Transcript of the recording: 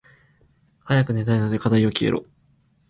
早く寝たいので課題よ消えろ。